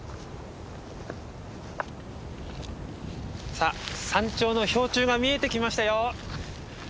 さあ山頂の標柱が見えてきましたよ。